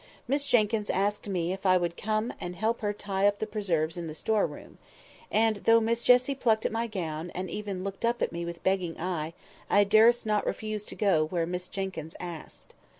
Miss Jenkyns asked me if I would come and help her to tie up the preserves in the store room; and though Miss Jessie plucked at my gown, and even looked up at me with begging eye, I durst not refuse to go where Miss Jenkyns asked.